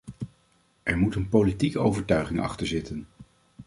Er moet een politieke overtuiging achter zitten.